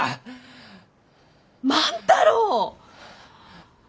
万太郎！